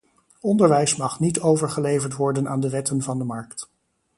Onderwijs mag niet overgeleverd worden aan de wetten van de markt.